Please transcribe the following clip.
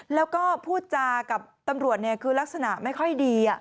แล้วก็พูดจากับตำรวจคือลักษณะไม่ค่อยดี